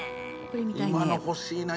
今の欲しいな。